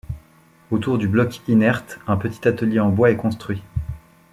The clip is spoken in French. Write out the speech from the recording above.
Autour du bloc inerte un petit atelier en bois est construit.